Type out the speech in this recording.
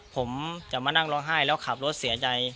ผมจะมานั่งร้องไห้แล้วขับรถเสียใจ